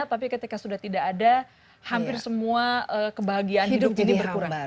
tapi ketika sudah tidak ada hampir semua kebahagiaan hidup ini berkurang